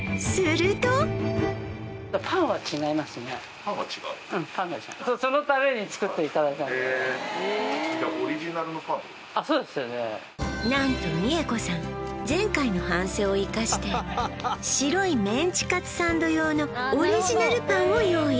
うんパンが違うへえじゃあ何と美恵子さん前回の反省を生かして白いメンチカツサンド用のオリジナルパンを用意